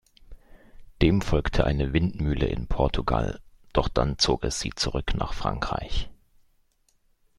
Dem folgte eine Windmühle in Portugal, doch dann zog es sie zurück nach Frankreich.